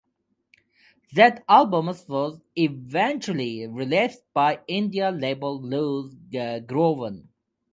That album was eventually released by indie label Loose Groove.